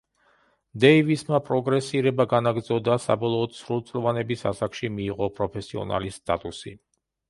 დეივისმა პროგრესირება განაგრძო და, საბოლოოდ, სრულწლოვანების ასაკში მიიღო პროფესიონალის სტატუსი.